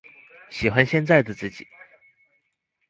喜歡現在的自己